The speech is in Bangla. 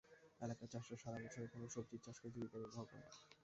এলাকার চাষিরা সারা বছর এখানে সবজির চাষ করে জীবিকা নির্বাহ করেন।